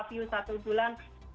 view satu bulan